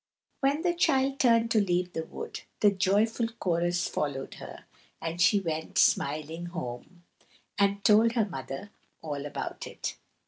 When the Child turned to leave the wood, the joyful chorus followed her, and she went, smiling, home and told her mother all about it.